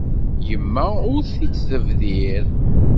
Yemma ur t-id-tebdir.